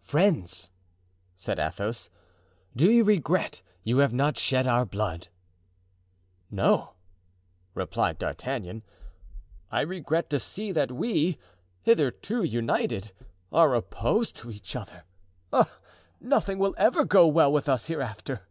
"Friends!" said Athos, "do you regret you have not shed our blood?" "No," replied D'Artagnan; "I regret to see that we, hitherto united, are opposed to each other. Ah! nothing will ever go well with us hereafter!"